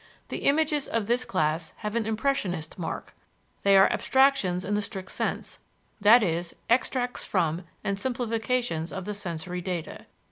The images of this class have an "impressionist" mark. They are abstractions in the strict sense i.e., extracts from and simplifications of the sensory data.